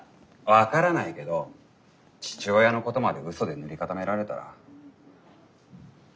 分からないけど父親のことまで嘘で塗り固められたら。